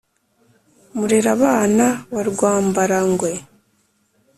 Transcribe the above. murerabana wa rwambarangwe,